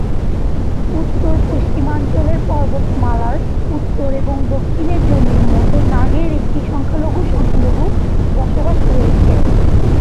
উত্তর-পশ্চিমাঞ্চলের পর্বতমালার উত্তর এবং দক্ষিণে জমির মধ্যে নাগের একটি সংখ্যালঘু সংখ্যালঘু বসবাস রয়েছে।